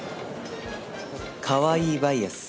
かわいいバイアス